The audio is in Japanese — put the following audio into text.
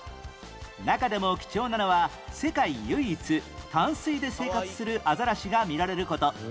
中でも貴重なのは世界唯一淡水で生活するアザラシが見られる事